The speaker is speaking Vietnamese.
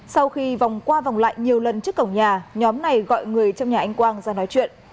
sau khi vòng qua vòng lại nhiều lần trước cổng nhà nhóm này gọi người trong nhà anh quang ra nói chuyện